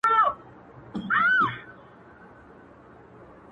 o خلگو نه زړونه اخلې خلگو څخه زړونه وړې ته؛